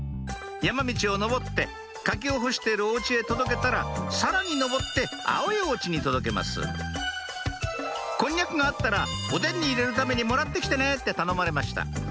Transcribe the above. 山道を上って柿を干しているお家へ届けたらさらに上って青いお家に届けます「こんにゃくがあったらおでんに入れるためにもらって来てね」って頼まれました